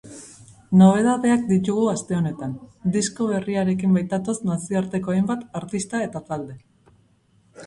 Nobedadeak ditugu aste honetan, disko berriarekin baitatoz nazioarteko hainbat artista eta talde.